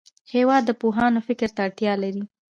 هېواد د پوهانو فکر ته اړتیا لري.